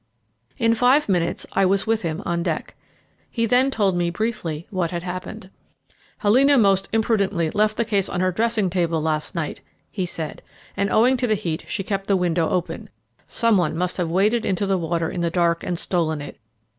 In five minutes I was with him on deck. He then told me briefly what had happened. "Helena most imprudently left the case on her dressing table last night," he said, "and owing to the heat she kept the window open. Some one must have waded into the water in the dark and stolen it.